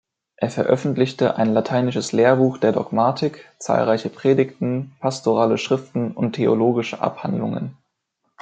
Er veröffentlichte ein lateinisches Lehrbuch der Dogmatik, zahlreiche Predigten, pastorale Schriften und theologische Abhandlungen.